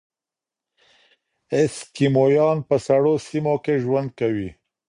اسکیمویان په سړو سیمو کې ژوند کوي.